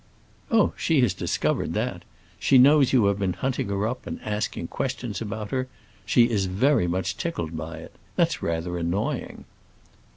"Oh, she has discovered that. She knows you have been hunting her up and asking questions about her. She is very much tickled by it. That's rather annoying."